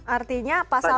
artinya pasal pasal ini